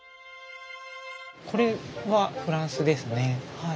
これはフランスですね。